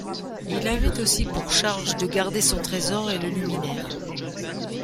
Il avait aussi pour charge de garder son trésor et le luminaire.